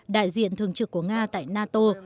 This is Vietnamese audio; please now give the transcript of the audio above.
đại diện thường trực của nga tại nato